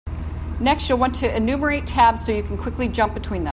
Next, you'll want to enumerate tabs so you can quickly jump between them.